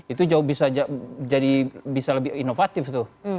itu bisa jadi lebih inovatif tuh